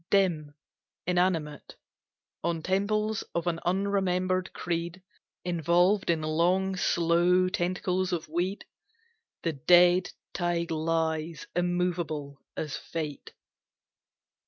Dim, inanimate, On temples of an unremembered creed Involved in long, slow tentacles of weed, The dead tide lies immovable as Fate.